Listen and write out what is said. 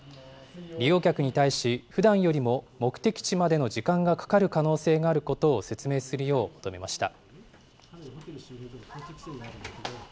利用客に対し、ふだんよりも目的地までの時間がかかる可能性があることを説明するよう求めました。